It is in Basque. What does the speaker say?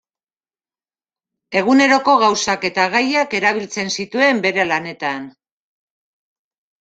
Eguneroko gauzak eta gaiak erabiltzen zituen bere lanetan.